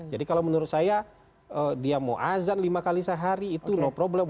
jadi kalau menurut saya dia mau azan lima kali sehari itu no problem